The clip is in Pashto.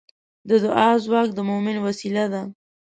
د دعا ځواک د مؤمن وسلې ده.